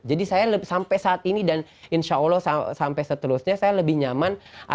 jadi saya sampai saat ini dan insya allah sampai seterusnya saya lebih nyaman